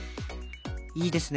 いいですね。